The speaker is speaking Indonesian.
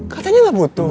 katanya gak butuh